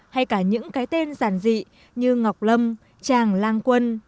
hay cả những cái tên giản dị như ngọc lâm tràng lan quân